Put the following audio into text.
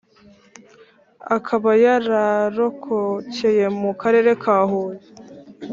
akaba yararokokeye mu Karere ka Huye